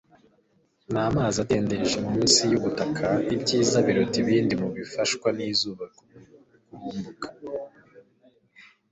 n'amazi adendeje mu nsi y'ubutaka, ibyiza biruta ibindi mu bifashwa n'izuba kurumbuka